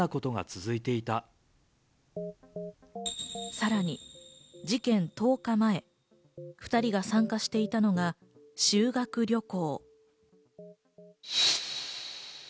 さらに事件１０日前、２人が参加していたのが修学旅行。